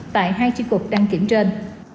tại hai chi cục đăng kiểm trên